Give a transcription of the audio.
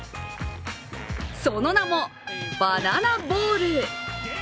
その名も、バナナボール。